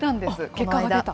結果が出た。